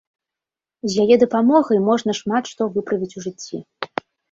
З яе дапамогай можна шмат што выправіць у жыцці.